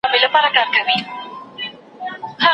یو کړي ځان ستړی د ژوند پر لاره